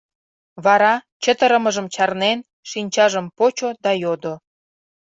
Вара, чытырымыжым чарнен, шинчажым почо да йодо: